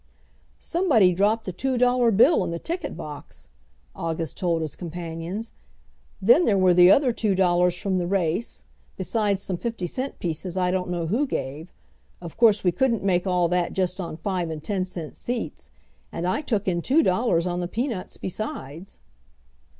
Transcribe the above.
"Somebody dropped a two dollar bill in the ticket box," August told his companions. "Then there were the other two dollars from the race, besides some fifty cent pieces I don't know who gave. Of course we couldn't make all that just on five and ten cent seats. And I took in two dollars on the peanuts besides."